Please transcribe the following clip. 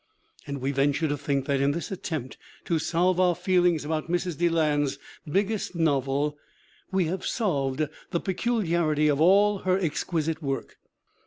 And we venture to think that in this attempt to solve our feeling about Mrs. Deland's biggest novel we have solved the peculiarity of all her exquisite work.